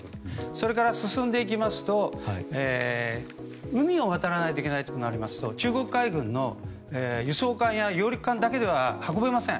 それから、進んでいきますと海を渡るとなりますと中国海軍の輸送艦だけでは運べません。